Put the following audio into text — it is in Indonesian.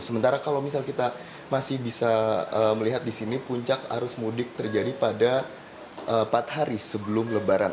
sementara kalau misal kita masih bisa melihat di sini puncak arus mudik terjadi pada empat hari sebelum lebaran